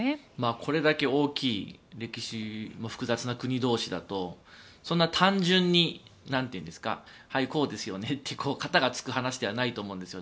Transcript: これだけ大きい歴史の複雑な国同士だとそんな単純にはい、こうですよねって片がつく話ではないと思うんですよね。